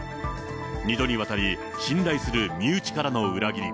２度にわたり、信頼する身内からの裏切り。